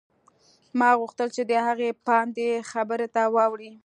ما غوښتل چې د هغې پام دې خبرې ته واوړي